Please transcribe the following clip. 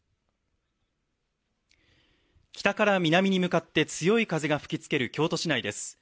北から南に向かって強い風が吹きつける京都市内です。